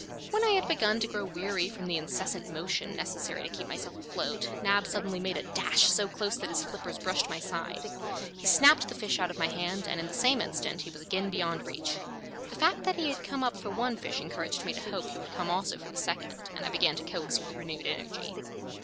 When I had begun to grow weary from the incessant motion necessary to keep myself afloat, Nab suddenly made a dash so close that his flippers brushed my side. He snapped the fish out of my hand, and in the same instant he was again beyond reach. The fact that he had come up for one fish encouraged me to hope he would come also for the second, and I began to coax with renewed energy.